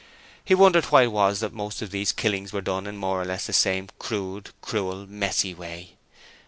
He wondered why it was that most of these killings were done in more or less the same crude, cruel messy way.